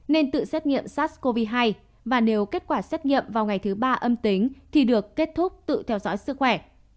nên tự xét nghiệm sars cov hai và nếu kết quả xét nghiệm vào ngày thứ ba âm tính thì được kết thúc tự theo dõi sức khỏe